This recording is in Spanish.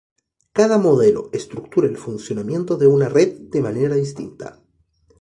Cada modelo estructura el funcionamiento de una red de manera distinta.